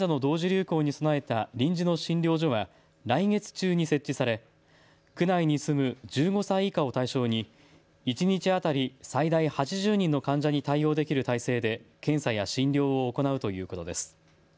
流行に備えた臨時の診療所は来月中に設置され、区内に住む１５歳以下を対象に一日当たり最大８０人の患者に対応できる体制で検査や診療を行うということです。